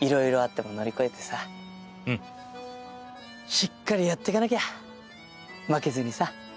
しっかりやっていかなきゃ負けずにさ。